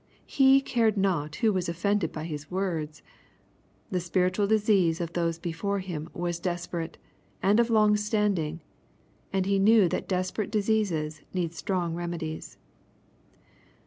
He cared not who was oflfended by his words. The spiritual disease of tHose before him was desperate, and of long standing, and he knew that desperate diseases need strong remedies.